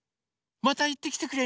またいってきてくれるの？